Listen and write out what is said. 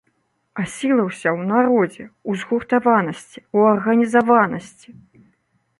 А сіла ўся ў народзе, у згуртаванасці, у арганізаванасці.